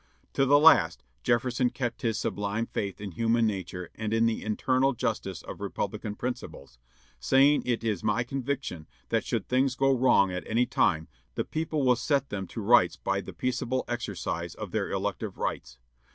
To the last, Jefferson kept his sublime faith in human nature and in the eternal justice of republican principles, saying it is "my conviction that should things go wrong at any time, the people will set them to rights by the peaceable exercise of their elective rights."